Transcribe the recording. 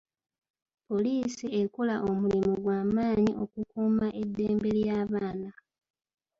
Poliisi ekola omulimu gwa maanyi okukuuma eddembe ly'abaana.